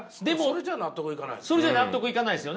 それじゃ納得いかないですよね。